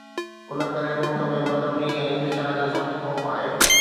ان ڪري ملڪ ۾ بدامني ۽ انتشار جو سخت خوف آهي